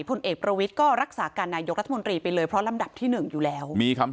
พลเอกประวิทย์ก็รักษาการนายกรัฐมนตรีไปเลยเพราะลำดับที่หนึ่งอยู่แล้วมีคำ